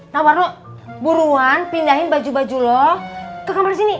nawarno buruan pindahin baju baju lo ke kamar sini